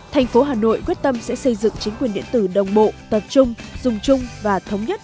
thành phố hà nội quyết tâm sẽ xây dựng chính quyền điện tử đồng bộ tập trung dùng chung và thống nhất